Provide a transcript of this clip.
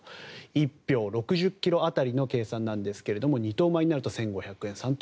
１俵６０ｋｇ当たりの計算ですが二等米になると１５００円三等